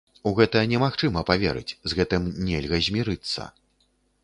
У гэта немагчыма паверыць, з гэтым нельга змірыцца.